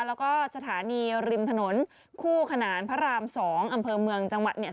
แล้วก็สถานีริมถนนคู่ขนานพระราม๒อำเภอเมืองจังหวัดเนี่ย